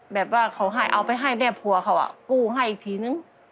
แบบว่าเขาให้เอาไปให้แม่ผัวเขากู้ให้อีกทีนึง